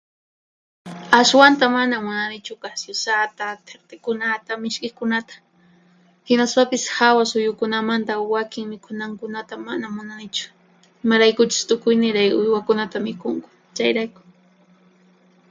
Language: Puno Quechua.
Ashwanta mana munanichu kasiyusata, thiqtikunata, mishk'ikunata. Hinaspapis hawa suyukunamanta wakin mikhunankunata mana munanichu, imaraykuchus tukuy niray uywakunata mikhunku, chayrayku.